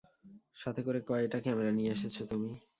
সাথে করে কয়টা ক্যামেরা নিয়ে এসেছ তুমি?